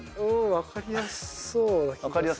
分かりやすそう？